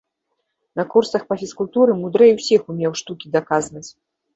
На курсах па фізкультуры мудрэй усіх умеў штукі даказваць.